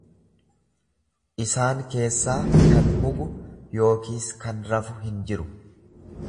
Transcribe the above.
Isaan keessaa kan mugu yookiis kan rafu hin jiru.